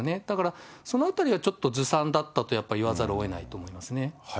だから、そのあたりはちょっと、ずさんだったとやっぱりいわざるをえないと思いますね。